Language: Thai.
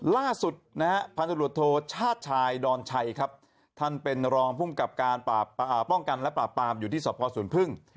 ล่าสุดนะฮะพันธุรกิจโทชาติชายดอนชัยครับท่านเป็นรองภูมิกับการป้องกันและปราบปรามอยู่ที่สพสวนพึ่ง